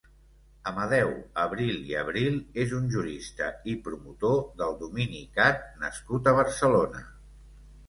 Amadeu Abril i Abril és un jurista i promotor del domini cat nascut a Barcelona.